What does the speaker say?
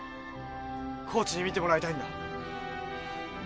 コーチに見てもらいたいんだ。